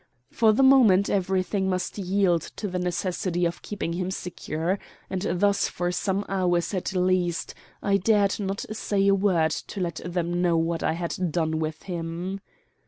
For the moment everything must yield to the necessity of keeping him secure, and thus for some hours at least I dared not say a word to let them know what I had done with him.